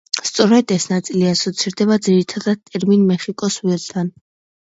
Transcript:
სწორედ ეს ნაწილი ასოცირდება ძირითადად ტერმინ „მეხიკოს ველთან“.